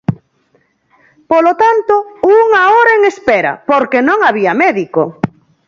Polo tanto, unha hora en espera, porque non había médico.